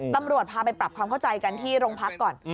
ตำรวจพาไปปรับความเข้าใจกันที่โรงพักก่อน